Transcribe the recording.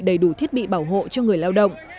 đầy đủ thiết bị bảo hộ cho người lao động